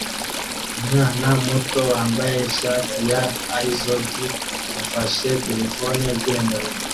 Umwana muto wambaye ishati ya Izod afashe terefone igendanwa